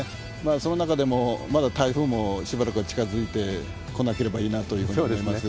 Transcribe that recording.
その中でも、まだ台風もしばらくは近づいて来なければいいなというふうに思いそうですね。